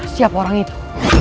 siapa orang itu